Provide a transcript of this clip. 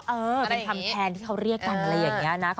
เออเป็นคำแคนที่เขาเรียกกันอะไรอย่างนี้นะ